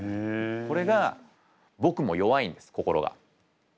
これが僕も弱いんです心が。